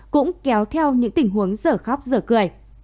cũng kéo theo những tình huống giở khóc giở cười